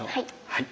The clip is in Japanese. はい。